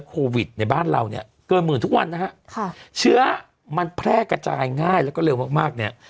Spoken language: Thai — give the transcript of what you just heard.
โควิดในบ้านเราเนี่ยเกินหมื่นทุกวันนะฮะค่ะเชื้อมันแพร่กระจายง่ายแล้วก็เร็วมากมากเนี่ย